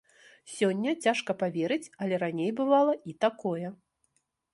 Сёння цяжка паверыць, але раней бывала і такое.